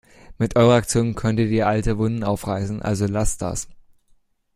Mit eurer Aktion könntet ihr alte Wunden aufreißen, also lasst das!